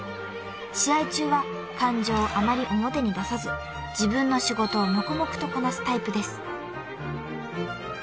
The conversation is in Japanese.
［試合中は感情をあまり表に出さず自分の仕事を黙々とこなすタイプです］